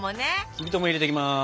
きび糖も入れていきます。